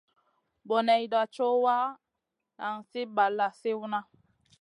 Boneyda co wa, nan sli balla sliwna.